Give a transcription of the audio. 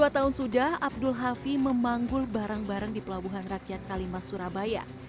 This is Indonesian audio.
dua tahun sudah abdul hafi memanggul barang barang di pelabuhan rakyat kalimah surabaya